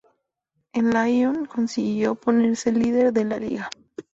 El Lyon, consiguió ponerse líder de la Liga.